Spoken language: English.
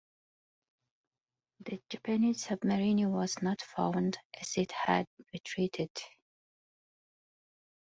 The Japanese submarine was not found as it had retreated.